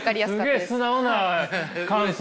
すげえ素直な感想。